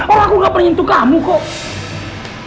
orang aku gak penyentuh kamu kok